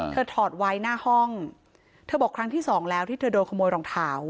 ถอดไว้หน้าห้องเธอบอกครั้งที่สองแล้วที่เธอโดนขโมยรองเท้า